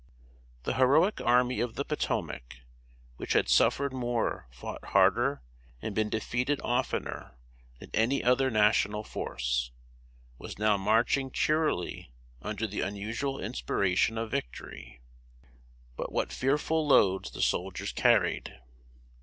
] The heroic Army of the Potomac, which had suffered more, fought harder, and been defeated oftener than any other National force, was now marching cheerily under the unusual inspiration of victory. But what fearful loads the soldiers carried!